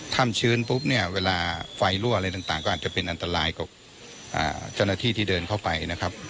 ถ้ำชื้นปุ๊บเวลาไฟรั่วอะไรต่างก็อาจจะเป็นอันตรายกับจณะที่ที่เดินเข้าไปนะครับ